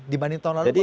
dibanding tahun lalu